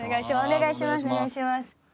お願いします。